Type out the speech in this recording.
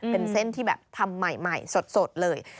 เป็นเส้นที่แบบทำใหม่สดเลย